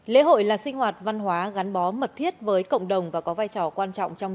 lễ hội là sinh hoạt văn hóa gắn bó mật thiết với cộng đồng và có vai trò quan trọng trong